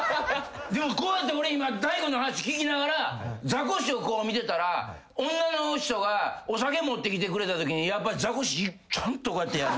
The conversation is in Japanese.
でもこうやって俺今大悟の話聞きながらザコシをこう見てたら女の人がお酒持ってきてくれたときにやっぱザコシちゃんとこうやってやる。